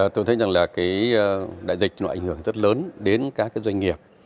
tôi thấy rằng là cái đại dịch nó ảnh hưởng rất lớn đến các cái doanh nghiệp